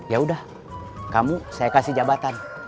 ya udah kamu saya kasih jabatan